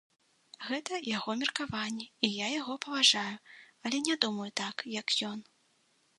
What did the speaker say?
Гэта яго меркаванне і я яго паважаю, але не думаю так, як ён.